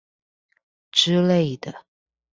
之類的